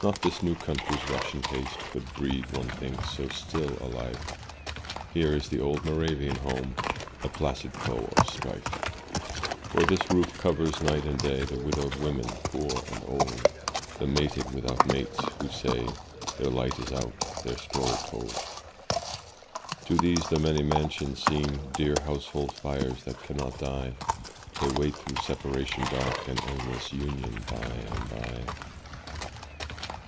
Not this new country's rush and haste Could breed, one thinks, so still a life; Here is the old Moravian home, A placid foe of strife. For this roof covers, night and day, The widowed women poor and old, The mated without mates, who say Their light is out, their story told. To these the many mansions seem Dear household fires that cannot die; They wait through separation dark An endless union by and by.